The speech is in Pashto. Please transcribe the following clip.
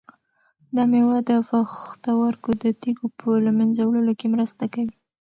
دا مېوه د پښتورګو د تیږو په له منځه وړلو کې مرسته کوي.